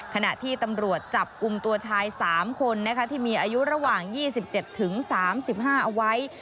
ขณะที่ตำรวจจับกลุ่มตัวชาย๓คนที่มีอายุระหว่าง๒๗๓๕เอาไว้